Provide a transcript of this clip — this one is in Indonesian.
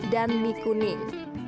dan mie kuning